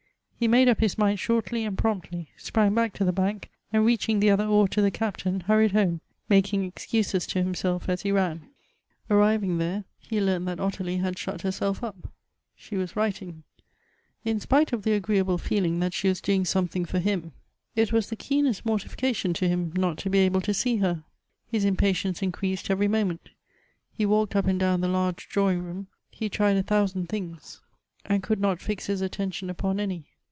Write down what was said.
He made up his mind shortly and promptly; sprang back to the bank, and reaching the other oar to the Captain, hurried home — making excuses to himself as he ran. Arriving there he learnt that Ottilie had shut herself up — she was writing. In spite of the agreenble feeling that she was doing something for him, it was the keenest Elective Aepinities. 105 mortification to him not to be able to see her. His impatience increased every moment. He walked up and down the large drawing room; he tried a thousand things, and could not fix his attention upon any.